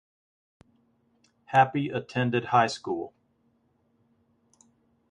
Happy attended high school.